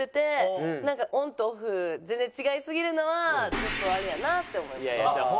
なんかオンとオフ全然違いすぎるのはちょっとあれやなって思います。